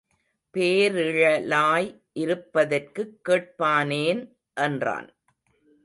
பேரிழலாய் இருப்பதற்குக் கேட்பானேன் —என்றான்.